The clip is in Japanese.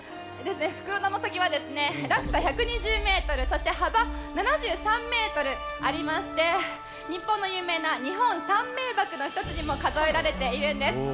袋田の滝は落差１２０ｍそして、幅７３ｍありまして日本の有名な日本三名瀑の１つにも数えられているんです。